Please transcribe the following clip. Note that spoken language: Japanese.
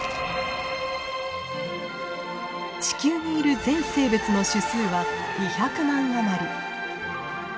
地球にいる全生物の種数は２００万余り。